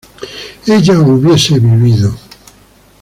ella hubiese vivido